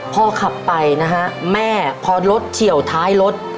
ขับไปนะฮะแม่พอรถเฉียวท้ายรถ